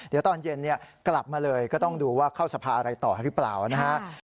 เดี๋ยวตอนเย็นกลับมาเลยก็ต้องดูว่าเข้าสภาอะไรต่อหรือเปล่านะครับ